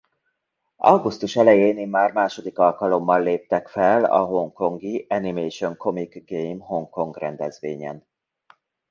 Augusztus elején immár második alkalommal léptek fel a hongkongi Animation-Comic-Game Hong Kong rendezvényen.